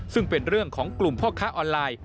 ซึ่งเป็นเรื่องของกลุ่มพ่อค้าออนไลน์